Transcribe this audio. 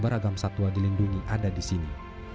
beragam satwa dilindungi ada di sini